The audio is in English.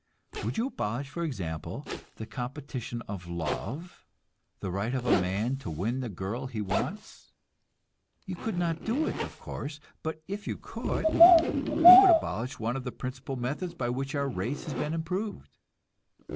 Would you abolish, for example, the competition of love, the right of a man to win the girl he wants? You could not do it, of course; but if you could, you would abolish one of the principal methods by which our race has been improved.